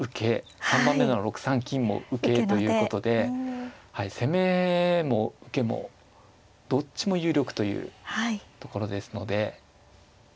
３番目の６三金も受けということで攻めも受けもどっちも有力というところですので。